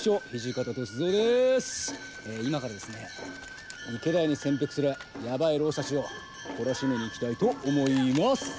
今からですね池田屋に潜伏するやばい浪士たちを懲らしめに行きたいと思います。